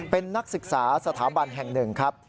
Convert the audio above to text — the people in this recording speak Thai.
เป็นนักศึกษาสถาบันแห่งหนึ่งครับ